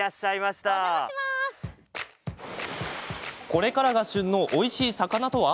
これからが旬のおいしい魚とは？